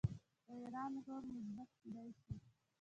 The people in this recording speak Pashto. د ایران رول مثبت کیدی شي.